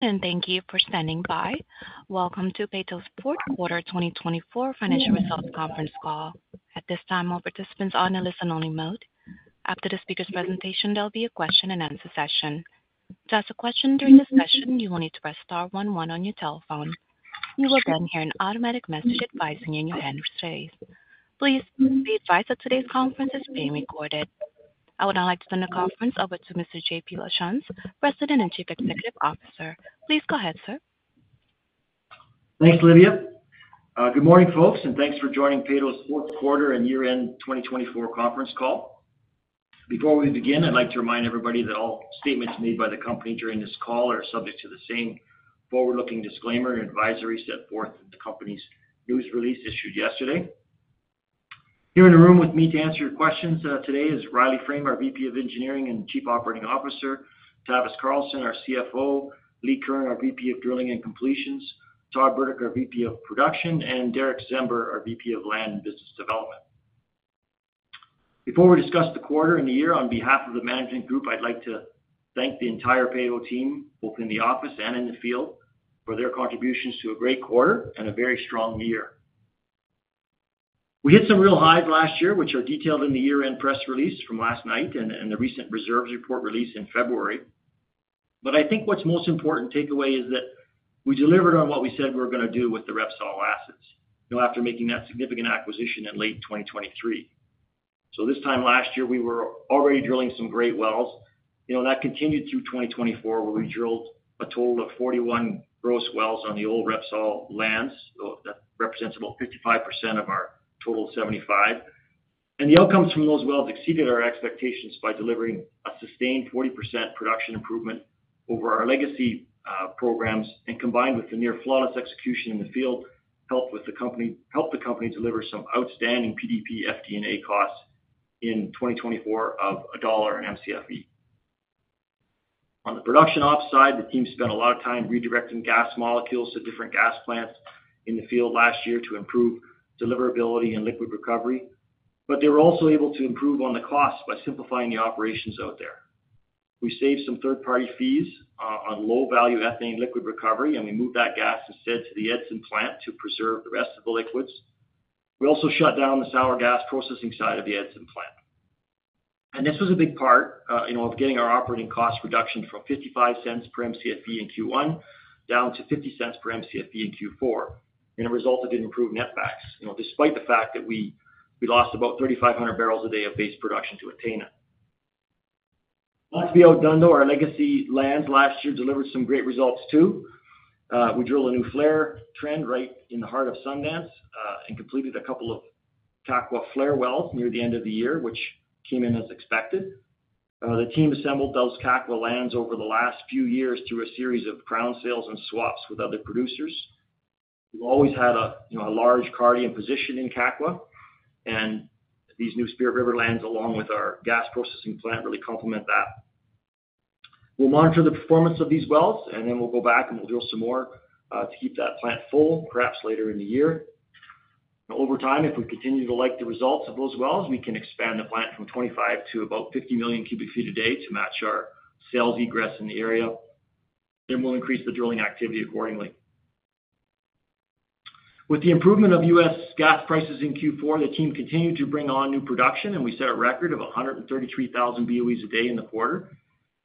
Thank you for standing by. Welcome to Peyto's Fourth Quarter 2024 Financial Results Conference Call. At this time, all participants are on a listen-only mode. After the speaker's presentation, there will be a question-and-answer session. To ask a question during this session, you will need to press star 11 on your telephone. You will then hear an automatic message advising you in your hand-raising space. Please be advised that today's conference is being recorded. I would now like to turn the conference over to Mr. Jean-Paul Lachance, President and Chief Executive Officer. Please go ahead, sir. Thanks, Olivia. Good morning, folks, and thanks for joining Peyto's Fourth Quarter and Year-End 2024 Conference Call. Before we begin, I'd like to remind everybody that all statements made by the company during this call are subject to the same forward-looking disclaimer and advisory set forth in the company's news release issued yesterday. Here in the room with me to answer your questions today is Riley Frame, our VP of Engineering and Chief Operating Officer; Tavis Carlson, our CFO; Lee Curran, our VP of Drilling and Completions; Todd Burdick, our VP of Production; and Derick Czember, our VP of Land and Business Development. Before we discuss the quarter and the year, on behalf of the management group, I'd like to thank the entire Peyto team, both in the office and in the field, for their contributions to a great quarter and a very strong year. We hit some real highs last year, which are detailed in the year-end press release from last night and the recent reserves report released in February. I think what's most important to take away is that we delivered on what we said we were going to do with the Repsol assets after making that significant acquisition in late 2023. This time last year, we were already drilling some great wells. That continued through 2024, where we drilled a total of 41 gross wells on the old Repsol lands. That represents about 55% of our total 75. The outcomes from those wells exceeded our expectations by delivering a sustained 40% production improvement over our legacy programs. Combined with the near-flawless execution in the field, helped the company deliver some outstanding PDP FD&A costs in 2024 of CAD 1 an Mcfe. On the production ops side, the team spent a lot of time redirecting gas molecules to different gas plants in the field last year to improve deliverability and liquid recovery. They were also able to improve on the costs by simplifying the operations out there. We saved some third-party fees on low-value ethane liquid recovery, and we moved that gas instead to the Edson plant to preserve the rest of the liquids. We also shut down the sour gas processing side of the Edson plant. This was a big part of getting our operating cost reduction from $0.55 per Mcfe in Q1 down to $0.50 per Mcfe in Q4. It resulted in improved netbacks, despite the fact that we lost about 3,500 barrels a day of base production to ethane. Not to be outdone, though, our legacy lands last year delivered some great results too. We drilled a new flare trend right in the heart of Sundance and completed a couple of Kakwa flare wells near the end of the year, which came in as expected. The team assembled those Kakwa lands over the last few years through a series of crown sales and swaps with other producers. We've always had a large Cardium position in Kakwa, and these new Spirit River lands, along with our gas processing plant, really complement that. We'll monitor the performance of these wells, and then we'll go back and we'll drill some more to keep that plant full, perhaps later in the year. Over time, if we continue to like the results of those wells, we can expand the plant from 25 to about 50 million cubic feet a day to match our sales egress in the area. We will increase the drilling activity accordingly. With the improvement of U.S. gas prices in Q4, the team continued to bring on new production, and we set a record of 133,000 BOEs a day in the quarter.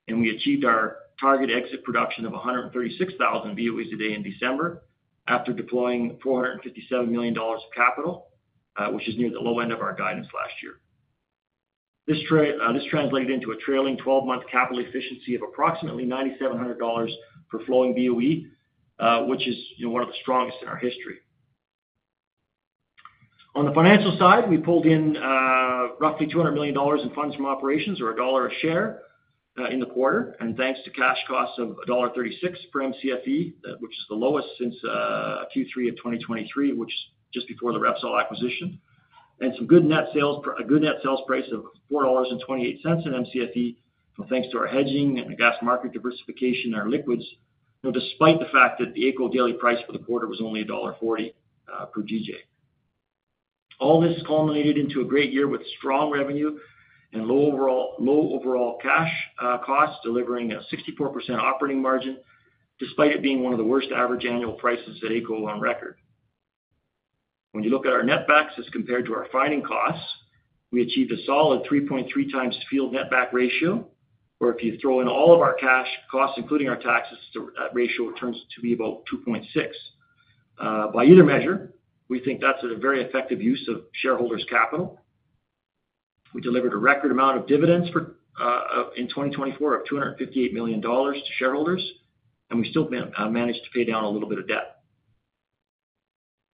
We achieved our target exit production of 136,000 BOEs a day in December after deploying 457 million dollars of capital, which is near the low end of our guidance last year. This translated into a trailing 12-month capital efficiency of approximately 9,700 dollars per flowing BOE, which is one of the strongest in our history. On the financial side, we pulled in roughly 200 million dollars in funds from operations or a dollar a share in the quarter, and thanks to cash costs of CAD 1.36 per Mcfe, which is the lowest since Q3 of 2023, which is just before the Repsol acquisition, and some good net sales price of 4.28 dollars per Mcfe, thanks to our hedging and the gas market diversification and our liquids, despite the fact that the AECO daily price for the quarter was only dollar 1.40 per GJ. All this culminated into a great year with strong revenue and low overall cash costs, delivering a 64% operating margin, despite it being one of the worst average annual prices at AECO on record. When you look at our netbacks as compared to our finding costs, we achieved a solid 3.3 times field netback ratio, where if you throw in all of our cash costs, including our taxes, that ratio returns to be about 2.6. By either measure, we think that's a very effective use of shareholders' capital. We delivered a record amount of dividends in 2024 of 258 million dollars to shareholders, and we still managed to pay down a little bit of debt.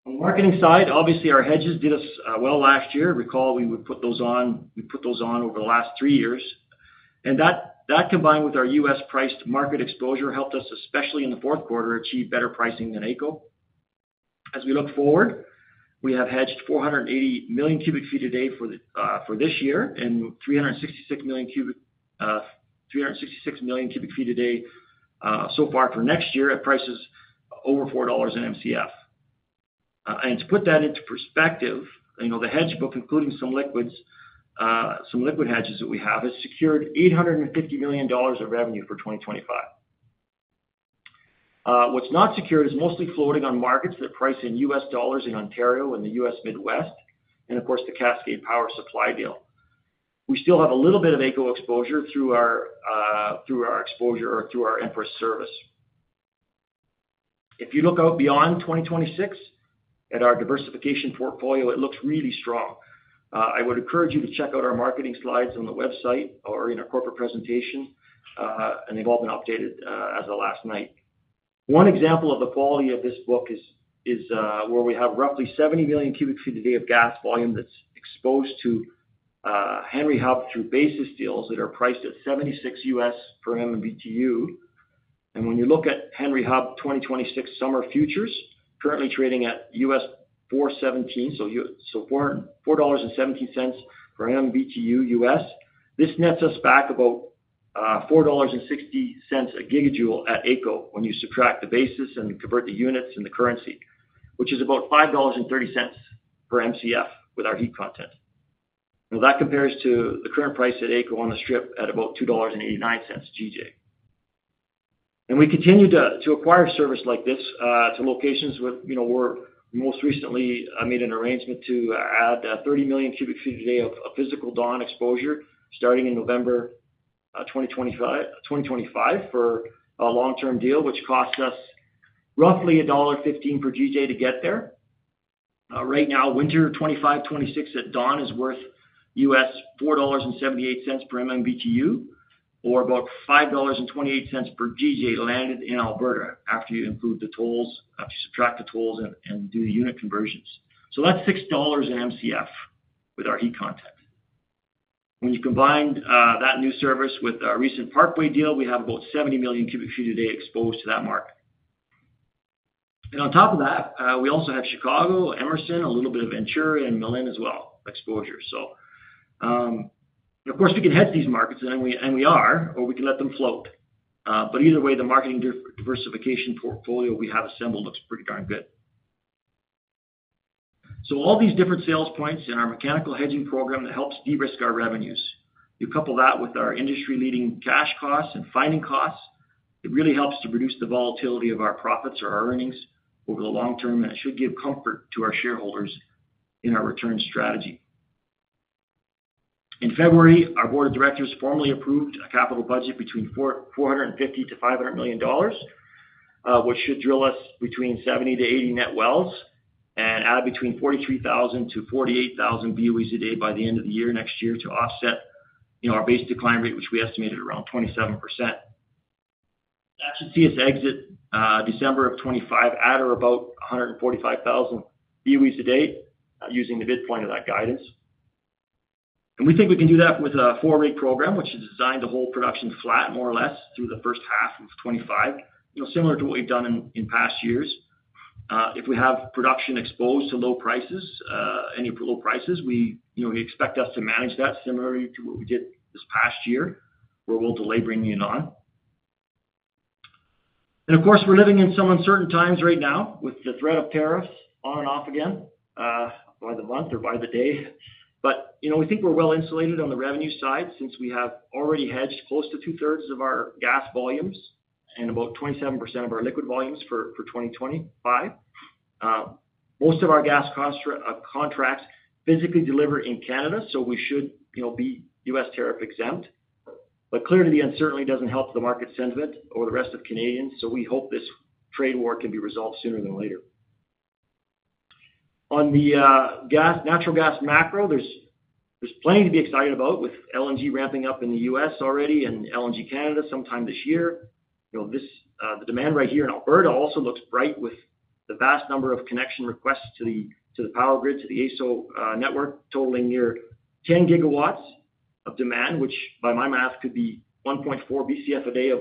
On the marketing side, obviously, our hedges did us well last year. Recall, we put those on over the last three years. That, combined with our U.S.-priced market exposure, helped us, especially in the fourth quarter, achieve better pricing than AECO. As we look forward, we have hedged 480 million cubic feet a day for this year and 366 million cubic feet a day so far for next year at prices over $4 an MCF. To put that into perspective, the hedge book, including some liquid hedges that we have, has secured 850 million dollars of revenue for 2025. What is not secured is mostly floating on markets that price in U.S. dollars in Ontario and the U.S. Midwest, and of course, the Cascade Power Supply deal. We still have a little bit of AECO exposure through our exposure or through our Empress service. If you look out beyond 2026 at our diversification portfolio, it looks really strong. I would encourage you to check out our marketing slides on the website or in our corporate presentation, and they have all been updated as of last night. One example of the quality of this book is where we have roughly 70 million cubic feet a day of gas volume that's exposed to Henry Hub through basis deals that are priced at $0.76 per MMBTu. When you look at Henry Hub 2026 summer futures, currently trading at $4.17 per MMBTu, this nets us back about 4.60 dollars a gigajoule at AECO when you subtract the basis and convert the units and the currency, which is about 5.30 dollars per MCF with our heat content. That compares to the current price at AECO on the strip at about 2.89 dollars per GJ. We continue to acquire service like this to locations where we most recently made an arrangement to add 30 million cubic feet a day of physical Dawn exposure starting in November 2025 for a long-term deal, which costs us roughly CAD 1.15 per GJ to get there. Right now, winter 2025-2026 at Dawn is worth $4.78 per MMBTu, or about 5.28 dollars per GJ landed in Alberta after you subtract the tolls and do the unit conversions. That is $6 an MCF with our heat content. When you combine that new service with our recent Parkway deal, we have about 70 million cubic feet a day exposed to that market. On top of that, we also have Chicago, Emerson, a little bit of Ventura, and Malin as well exposure. Of course, we can hedge these markets, and we are, or we can let them float. Either way, the marketing diversification portfolio we have assembled looks pretty darn good. All these different sales points and our mechanical hedging program that helps de-risk our revenues, you couple that with our industry-leading cash costs and finding costs, it really helps to reduce the volatility of our profits or our earnings over the long term, and it should give comfort to our shareholders in our return strategy. In February, our Board of Directors formally approved a capital budget between 450 million and 500 million dollars, which should drill us between 70 and 80 net wells and add between 43,000 and 48,000 BOEs a day by the end of the year next year to offset our base decline rate, which we estimated around 27%. That should see us exit December of 2025 at or about 145,000 BOEs a day using the midpoint of that guidance. We think we can do that with a four-week program, which is designed to hold production flat, more or less, through the first half of 2025, similar to what we have done in past years. If we have production exposed to low prices, any low prices, we expect us to manage that similarly to what we did this past year, where we will delay bringing it on. Of course, we are living in some uncertain times right now with the threat of tariffs on and off again by the month or by the day. We think we are well insulated on the revenue side since we have already hedged close to two-thirds of our gas volumes and about 27% of our liquid volumes for 2025. Most of our gas contracts physically deliver in Canada, so we should be U.S. tariff exempt. Clearly, the uncertainty does not help the market sentiment or the rest of Canadians, so we hope this trade war can be resolved sooner than later. On the natural gas macro, there is plenty to be excited about with LNG ramping up in the U.S. already and LNG Canada sometime this year. The demand right here in Alberta also looks bright with the vast number of connection requests to the power grid, to the AESO network, totaling near 10 GW of demand, which by my math could be 1.4 BCF a day of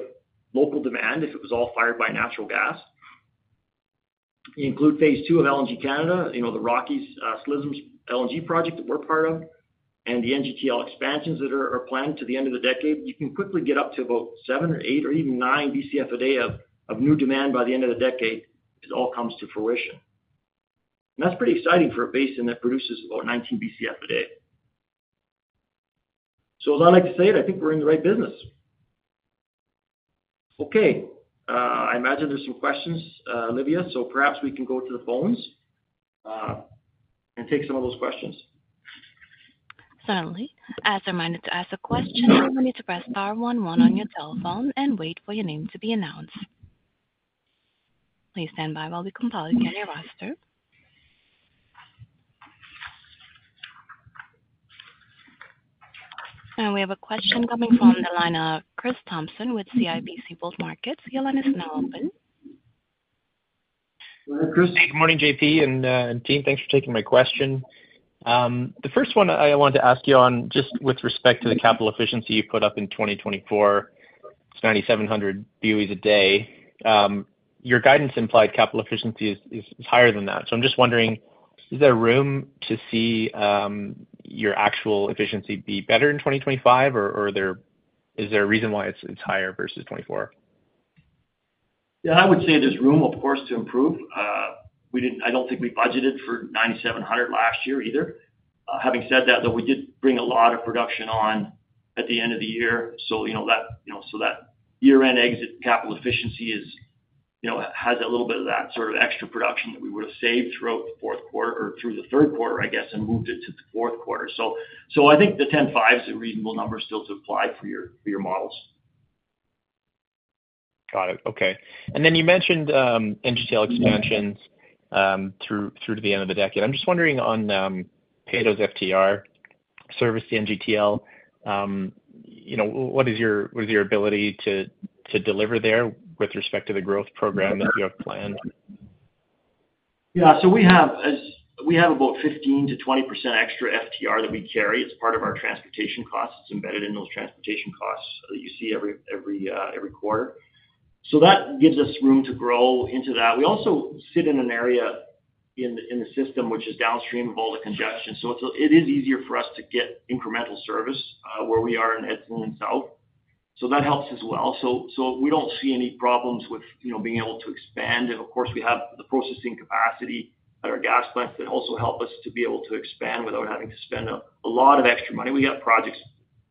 local demand if it was all fired by natural gas. You include phase two of LNG Canada, the Ksi Lisims LNG project that we are part of, and the NGTL expansions that are planned to the end of the decade. You can quickly get up to about seven or eight or even nine BCF a day of new demand by the end of the decade if it all comes to fruition. That is pretty exciting for a basin that produces about 19 BCF a day. As I like to say it, I think we are in the right business. Okay. I imagine there are some questions, Olivia, so perhaps we can go to the phones and take some of those questions. Certainly. As a reminder to ask a question, you will need to press star one one on your telephone and wait for your name to be announced. Please stand by while we consolidate your roster. We have a question coming from the line of Chris Thompson with CIBC World Markets. Your line is open. Hello, Chris. Hey, good morning, JP and team. Thanks for taking my question. The first one I wanted to ask you on, just with respect to the capital efficiency you put up in 2024, it's 9,700 BOEs a day. Your guidance implied capital efficiency is higher than that. I am just wondering, is there room to see your actual efficiency be better in 2025, or is there a reason why it's higher versus 2024? Yeah, I would say there's room, of course, to improve. I do not think we budgeted for 9,700 last year either. Having said that, though, we did bring a lot of production on at the end of the year. That year-end exit capital efficiency has a little bit of that sort of extra production that we would have saved throughout the fourth quarter or through the third quarter, I guess, and moved it to the fourth quarter. I think the 10.5 is a reasonable number still to apply for your models. Got it. Okay. You mentioned NGTL expansions through to the end of the decade. I'm just wondering on Peyto's FTR service to NGTL, what is your ability to deliver there with respect to the growth program that you have planned? Yeah. We have about 15%-20% extra FTR that we carry. It's part of our transportation costs. It's embedded in those transportation costs that you see every quarter. That gives us room to grow into that. We also sit in an area in the system, which is downstream of all the congestion. It is easier for us to get incremental service where we are in Edson and South. That helps as well. We don't see any problems with being able to expand. Of course, we have the processing capacity at our gas plants that also help us to be able to expand without having to spend a lot of extra money. We got projects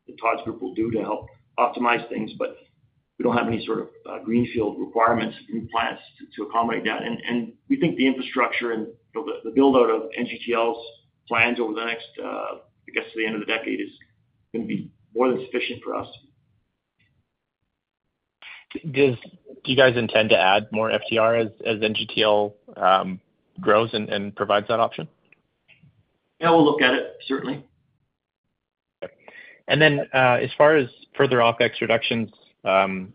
that Todd's group will do to help optimize things, but we do not have any sort of greenfield requirements from plants to accommodate that. We think the infrastructure and the build-out of NGTL's plans over the next, I guess, to the end of the decade is going to be more than sufficient for us. Do you guys intend to add more FTR as NGTL grows and provides that option? Yeah, we will look at it, certainly. Okay. As far as further OpEx reductions, as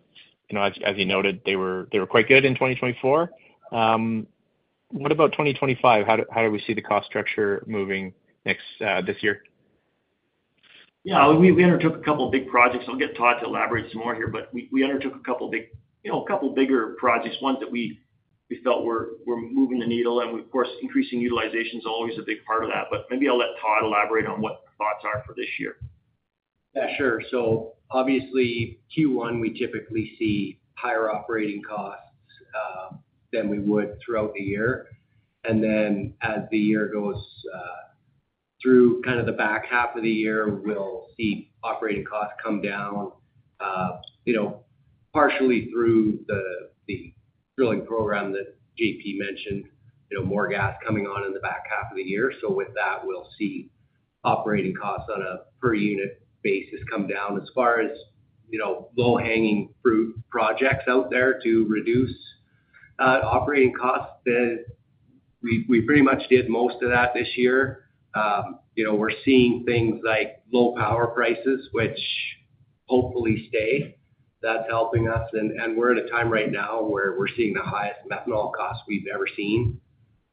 you noted, they were quite good in 2024. What about 2025? How do we see the cost structure moving this year? Yeah. We undertook a couple of big projects. I'll get Todd to elaborate some more here, but we undertook a couple of bigger projects, ones that we felt were moving the needle. Of course, increasing utilization is always a big part of that. Maybe I'll let Todd elaborate on what the thoughts are for this year. Yeah, sure. Obviously, Q1, we typically see higher operating costs than we would throughout the year. As the year goes through, kind of the back half of the year, we'll see operating costs come down partially through the drilling program that JP mentioned, more gas coming on in the back half of the year. With that, we'll see operating costs on a per-unit basis come down. As far as low-hanging fruit projects out there to reduce operating costs, we pretty much did most of that this year. We're seeing things like low power prices, which hopefully stay. That's helping us. We're at a time right now where we're seeing the highest methanol costs we've ever seen.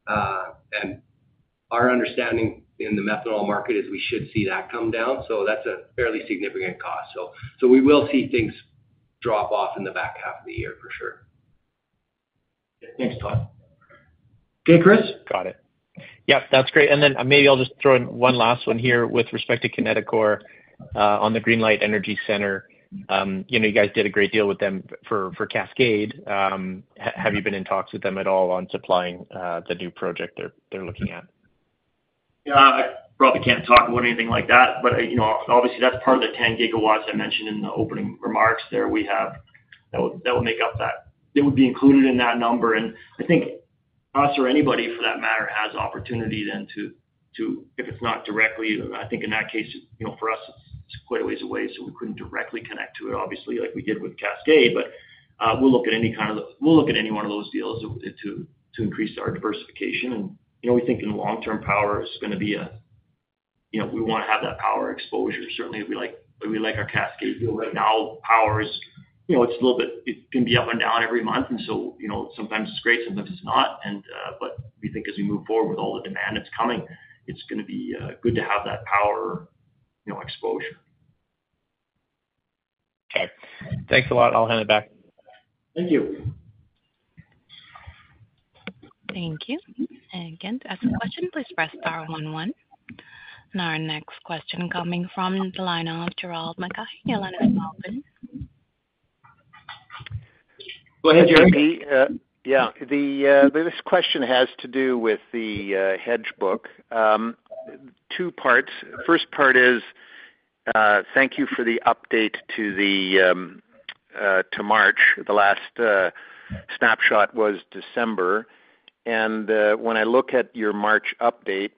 Our understanding in the methanol market is we should see that come down. That's a fairly significant cost. We will see things drop off in the back half of the year, for sure. Thanks, Todd. Okay, Chris. Got it. Yep, that's great. Maybe I'll just throw in one last one here with respect to Kineticor on the Green Light Energy Center. You guys did a great deal with them for Cascade. Have you been in talks with them at all on supplying the new project they're looking at? I probably can't talk about anything like that. Obviously, that's part of the 10 GW I mentioned in the opening remarks there. We have. That would make up that. It would be included in that number. I think us or anybody, for that matter, has opportunity then to, if it's not directly, I think in that case, for us, it's quite a ways away. We couldn't directly connect to it, obviously, like we did with Cascade. We'll look at any kind of, we'll look at any one of those deals to increase our diversification. We think in the long term, power is going to be a, we want to have that power exposure. Certainly, we like our Cascade deal right now. Power is, it's a little bit, it can be up and down every month. Sometimes it's great, sometimes it's not. We think as we move forward with all the demand that's coming, it's going to be good to have that power exposure. Okay. Thanks a lot. I'll hand it back. Thank you. Thank you. To ask a question, please press star one one. Our next question coming from the line of Jeremy McCrea, Your line is now open. Go ahead, Jeremy. Yeah. This question has to do with the hedge book. Two parts. First part is thank you for the update to March. The last snapshot was December. When I look at your March update,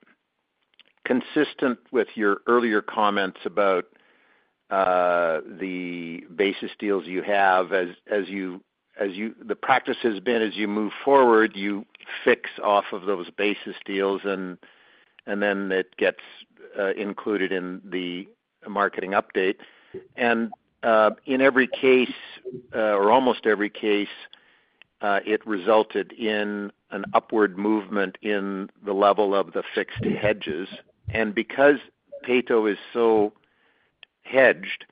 consistent with your earlier comments about the basis deals you have, the practice has been as you move forward, you fix off of those basis deals, and then it gets included in the marketing update. In every case, or almost every case, it resulted in an upward movement in the level of the fixed hedges. Because Peyto is so hedged,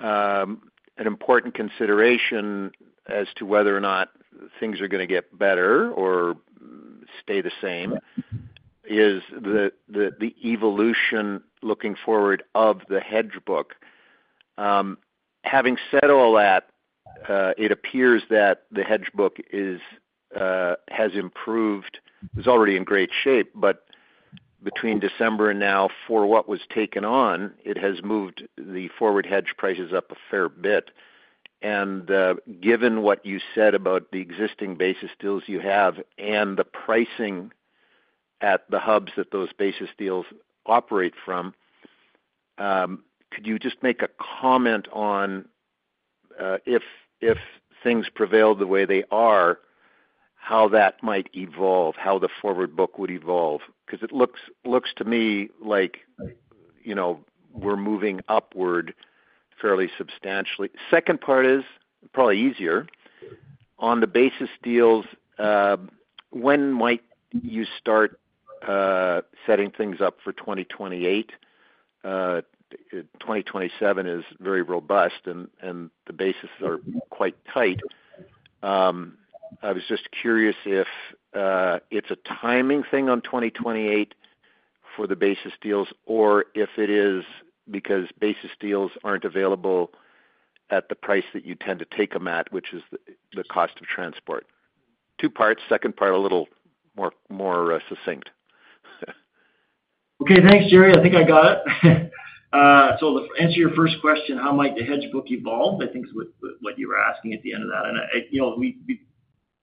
an important consideration as to whether or not things are going to get better or stay the same is the evolution looking forward of the hedge book. Having said all that, it appears that the hedge book has improved. It is already in great shape. Between December and now, for what was taken on, it has moved the forward hedge prices up a fair bit. Given what you said about the existing basis deals you have and the pricing at the hubs that those basis deals operate from, could you just make a comment on, if things prevail the way they are, how that might evolve, how the forward book would evolve? It looks to me like we are moving upward fairly substantially. Second part is probably easier. On the basis deals, when might you start setting things up for 2028? 2027 is very robust, and the basis are quite tight. I was just curious if it's a timing thing on 2028 for the basis deals or if it is because basis deals aren't available at the price that you tend to take them at, which is the cost of transport. Two parts. Second part, a little more succinct. Okay. Thanks, Jerry. I think I got it. To answer your first question, how might the hedge book evolve? I think is what you were asking at the end of that.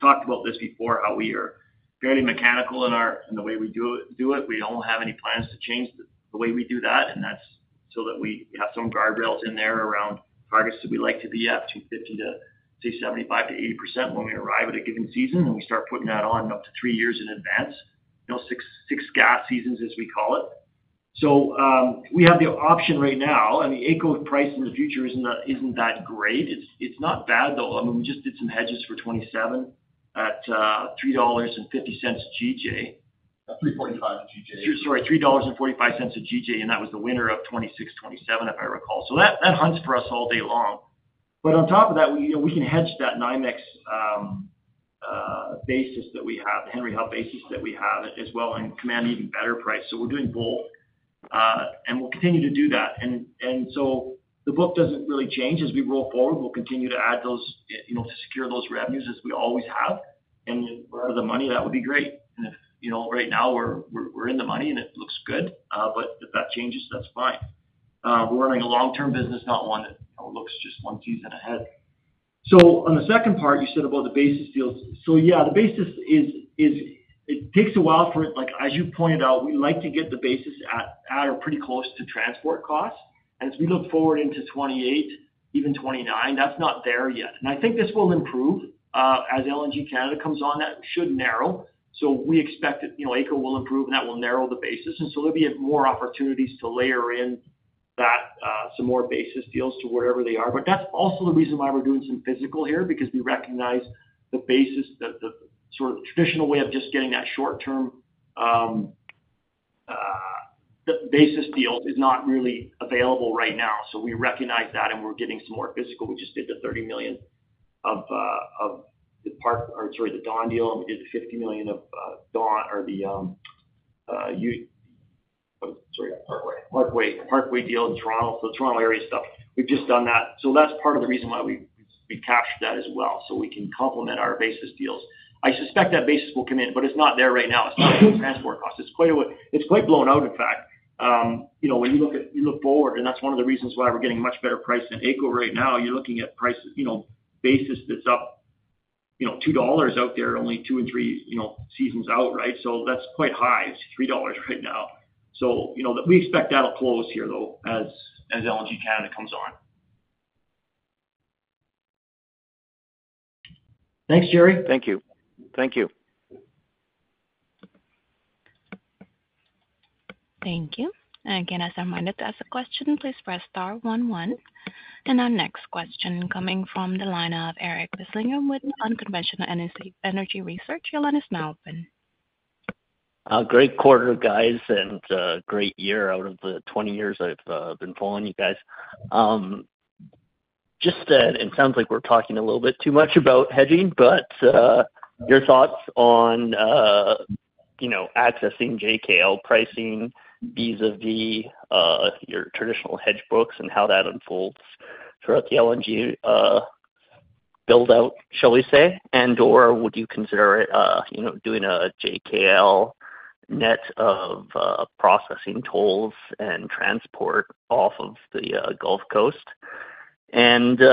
We talked about this before, how we are fairly mechanical in the way we do it. We don't have any plans to change the way we do that. That is so that we have some guardrails in there around targets that we like to be at, 250 to, say, 75%-80% when we arrive at a given season. We start putting that on up to three years in advance, six gas seasons, as we call it. We have the option right now. The AECO price in the future is not that great. It is not bad, though. I mean, we just did some hedges for 2027 at 3.50 dollars/GJ. 3.45/GJ. Sorry, 3.45 dollars/GJ. That was the winner of 2026-2027, if I recall. That hunts for us all day long. On top of that, we can hedge that NYMEX basis that we have, the Henry Hub basis that we have as well, and command even better price. We are doing both. We will continue to do that. The book does not really change as we roll forward. We will continue to add those to secure those revenues as we always have. If we are out of the money, that would be great. Right now, we are in the money, and it looks good. If that changes, that is fine. We are running a long-term business, not one that looks just one season ahead. On the second part, you said about the basis deals. The basis takes a while for it. As you pointed out, we like to get the basis at or pretty close to transport costs. As we look forward into 2028, even 2029, that is not there yet. I think this will improve. As LNG Canada comes on, that should narrow. We expect AECO will improve, and that will narrow the basis. There will be more opportunities to layer in some more basis deals to whatever they are. That is also the reason why we're doing some physical here, because we recognize the basis, the sort of traditional way of just getting that short-term basis deal is not really available right now. We recognize that, and we're getting some more physical. We just did the 30 million of the Dawn deal, and we did the 50 million of the Parkway deal in Toronto, so the Toronto area stuff. We've just done that. That is part of the reason why we captured that as well, so we can complement our basis deals. I suspect that basis will come in, but it's not there right now. It's not in the transport cost. It's quite blown out, in fact. When you look forward, and that's one of the reasons why we're getting much better price than AECO right now, you're looking at basis that's up $2 out there only two and three seasons out, right? That is quite high. It's $3 right now. We expect that'll close here, though, as LNG Canada comes on. Thanks, Jerry. Thank you. Thank you. Thank you. As I reminded, to ask a question, please press star one one. Our next question coming from the line of Eric Wislengham with Unconventional Energy Research. Your line is open. Great quarter, guys, and great year out of the 20 years I've been following you guys. Just that it sounds like we're talking a little bit too much about hedging, but your thoughts on accessing JKM pricing vis-à-vis your traditional hedge books and how that unfolds throughout the LNG build-out, shall we say? Would you consider doing a JKM net of processing tolls and transport off of the Gulf Coast? Secondly,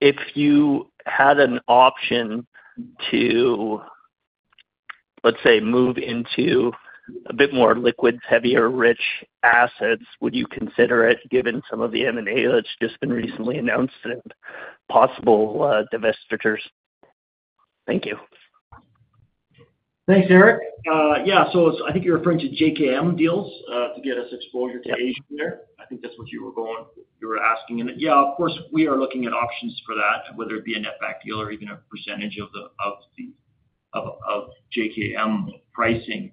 if you had an option to, let's say, move into a bit more liquid-heavier rich assets, would you consider it, given some of the M&A that's just been recently announced and possible divestitures? Thank you. Thanks, Eric. Yeah, I think you're referring to JKM deals to get us exposure to Asia there. I think that's what you were asking. Yeah, of course, we are looking at options for that, whether it be a netback deal or even a percentage of the JKM pricing.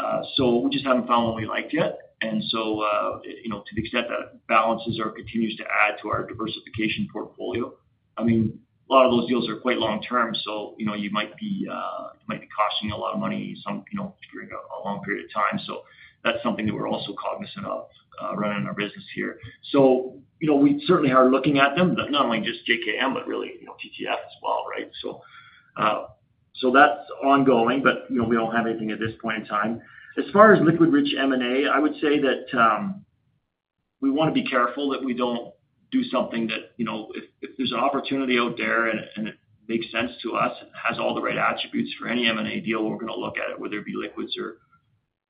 We just haven't found one we liked yet. To the extent that it balances or continues to add to our diversification portfolio, a lot of those deals are quite long-term. You might be costing a lot of money during a long period of time. That is something that we are also cognizant of running our business here. We certainly are looking at them, not only just JKM, but really TTF as well, right? That is ongoing, but we do not have anything at this point in time. As far as liquid-rich M&A, I would say that we want to be careful that we do not do something that, if there is an opportunity out there and it makes sense to us, has all the right attributes for any M&A deal, we are going to look at it, whether it be liquids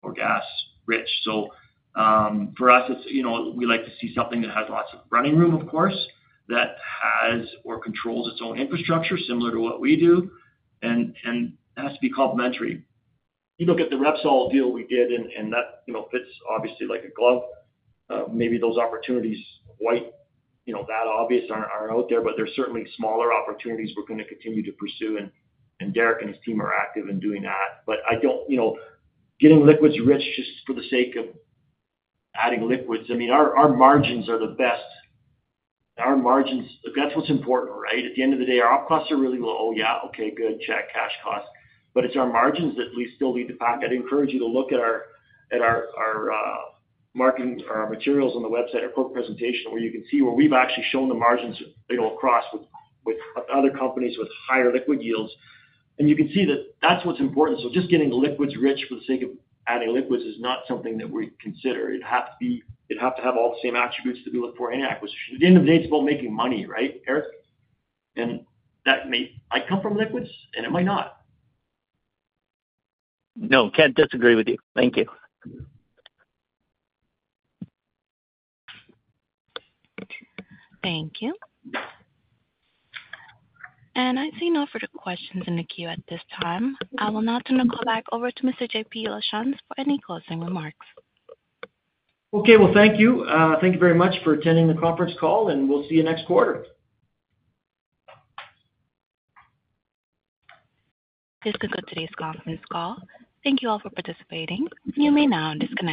or gas-rich. For us, we like to see something that has lots of running room, of course, that has or controls its own infrastructure, similar to what we do. It has to be complementary. You look at the Repsol deal we did, and that fits obviously like a glove. Maybe those opportunities quite that obvious aren't out there, but there's certainly smaller opportunities we're going to continue to pursue. Derick and his team are active in doing that. I don't getting liquids rich just for the sake of adding liquids. I mean, our margins are the best. Our margins, that's what's important, right? At the end of the day, our op costs are really low. Yeah. Okay. Good. Check. Cash costs. It's our margins that we still need to pack. I'd encourage you to look at our marketing or our materials on the website or quote presentation where you can see where we've actually shown the margins across with other companies with higher liquid yields. You can see that that's what's important. Just getting liquids rich for the sake of adding liquids is not something that we consider. It'd have to have all the same attributes that we look for in any acquisition. At the end of the day, it's about making money, right, Eric? That may come from liquids, and it might not. No, can't disagree with you. Thank you. Thank you. I see no further questions in the queue at this time. I will now turn the call back over to Mr. JP LaChance for any closing remarks. Thank you. Thank you very much for attending the conference call, and we'll see you next quarter. This concludes today's conference call. Thank you all for participating. You may now disconnect.